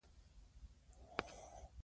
تاریخي آثار نقش یې تاییداوه.